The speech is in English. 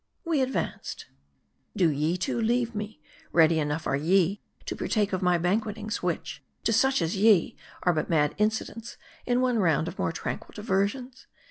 We advanced. " Do ye too leave me ? Ready enough are ye to partake of my banquetings, which, to such as ye, are but mad inci dents in one round of more tranquil diversions.